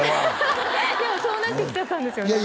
でもそうなってきちゃったんですよね